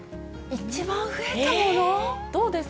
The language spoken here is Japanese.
一番増えたもの？